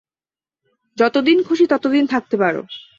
যতদিন খুশি ততদিন থাকতে পারো।